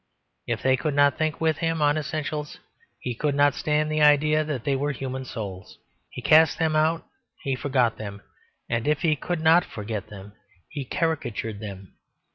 If they could not think with him on essentials he could not stand the idea that they were human souls; he cast them out; he forgot them; and if he could not forget them he caricatured them.